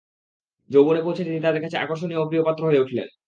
যৌবনে পৌঁছে তিনি তাদের কাছে আকর্ষণীয় ও প্রিয়পাত্র হয়ে উঠলেন।